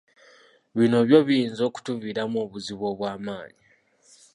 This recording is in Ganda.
Bino byo biyinza okutuviiramu obuzibu obw'amaanyi.